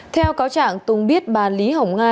theo cáo trạng tung biết bà lý hồng nga